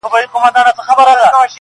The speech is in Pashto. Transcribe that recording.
منصور میدان ته بیایي غرغړې دي چي راځي-